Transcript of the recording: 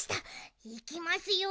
いきますよ。